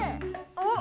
あっ！